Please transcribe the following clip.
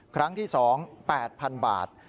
ครั้งที่๒๘๐๐๐บาท